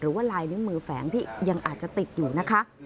ว่าลายนิ้วมือแฝงที่ยังอาจจะติดอยู่นะคะ